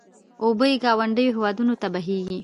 اوبه یې ګاونډیو هېوادونو ته بهېږي.